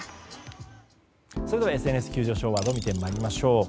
それではＳＮＳ急上昇ワード見てまいりましょう。